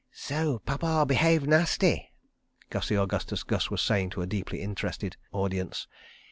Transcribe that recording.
"So Pappa behaved nasty," Gussie Augustus Gus was saying to a deeply interested audience.